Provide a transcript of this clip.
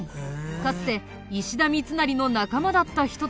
かつて石田三成の仲間だった人たちなんだ。